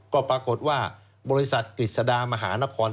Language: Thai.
ก็ปรากฏว่าบริษัทกฤษฎามหานคร